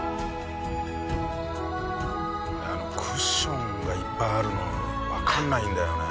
俺あのクッションがいっぱいあるのわからないんだよね。